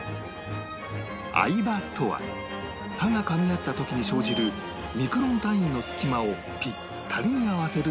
合刃とは刃がかみ合った時に生じるミクロン単位の隙間をピッタリに合わせる作業